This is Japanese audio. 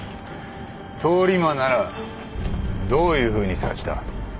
通り魔ならどういうふうに刺した？